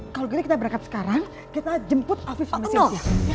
kalo gini kita berangkat sekarang kita jemput alvif sama cynthia